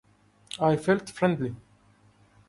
I felt friendly.